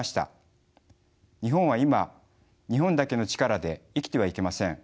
日本は今日本だけの力で生きてはいけません。